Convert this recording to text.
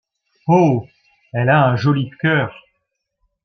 Oh ! elle a un joli cœur !…